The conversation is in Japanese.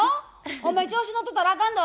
お前調子乗ってたらあかんど。